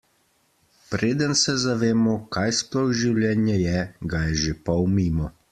Preden se zavemo, kaj sploh življenje je, ga je že pol mimo.